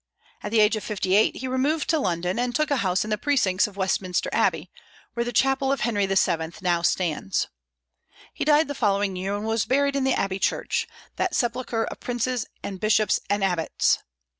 At the age of fifty eight he removed to London, and took a house in the precincts of Westminster Abbey, where the chapel of Henry VII. now stands. He died the following year, and was buried in the Abbey church, that sepulchre of princes and bishops and abbots.